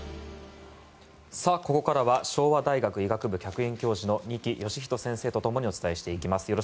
ここからは昭和大学医学部客員教授の二木芳人先生とともにお伝えしていきます。